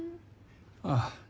ああ。